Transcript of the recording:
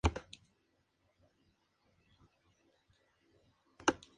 Actualmente sólo quedan en pie algunos muros exteriores.